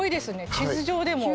地図上でも。